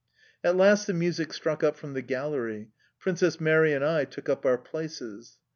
At last the music struck up from the gallery, Princess Mary and I took up our places.